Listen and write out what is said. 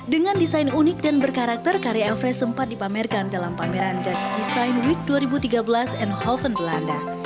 dengan desain unik dan berkarakter karya everest sempat dipamerkan dalam pameran just design week dua ribu tiga belas and hoven belanda